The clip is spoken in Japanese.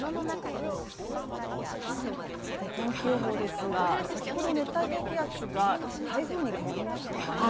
天気予報ですが、先ほど熱帯低気圧が台風に変わりましたね。